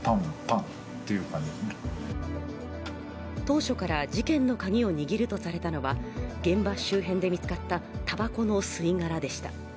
当初から事件のカギを握るとされたのは現場周辺で見つかったたばこの吸殻でした。